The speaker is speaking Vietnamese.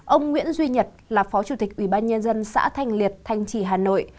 ông nguyễn duy nhật là phó chủ tịch ubnd xã thanh liệt thanh trì hà nội